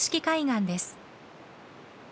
海岸です。